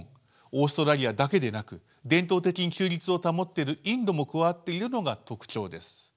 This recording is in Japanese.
オーストラリアだけでなく伝統的に中立を保っているインドも加わっているのが特徴です。